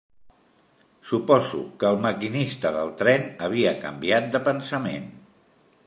Suposo que el maquinista del tren havia canviat de pensament